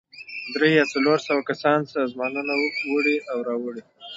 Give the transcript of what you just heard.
درې یا څلور سوه کسان سامانونه وړي او راوړي.